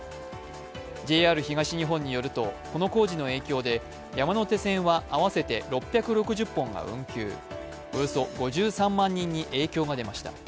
ＪＲ東日本によると、この工事の影響で、山手線は合わせて６６０本が運休、およそ５３万人に影響が出ました。